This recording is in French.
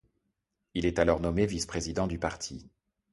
Il est alors nommé vice-président du parti.